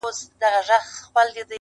هغه ډېوه د نيمو شپو ده تور لوگى نــه دی